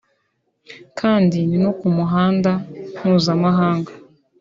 kandi ni no ku muhanda mpuzamahanga